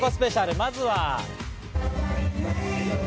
まずは。